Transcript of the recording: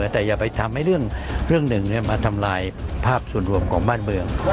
แต่อย่าไปทำให้เรื่องหนึ่งมาทำลายภาพส่วนรวมของบ้านเมือง